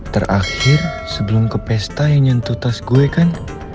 terakhir sebelum ke pesta yang nyentuh tas gue kan